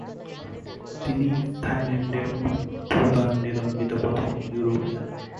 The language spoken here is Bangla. তিনিই থাইল্যান্ডে মৃত্যুদণ্ডে দণ্ডিত প্রথম ইউরোপিয়ান।